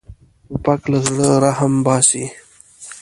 توپک له زړه رحم باسي.